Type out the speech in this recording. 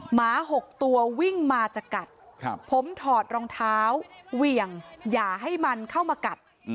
หมา๖ตัววิ่งมาจะกัดผมถอดรองเท้าเหวี่ยงอย่าให้มันเข้ามากัด